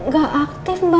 gak aktif mbak